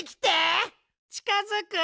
ちかづく？